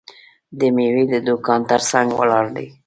د میوې د دوکان ترڅنګ ولاړ دی.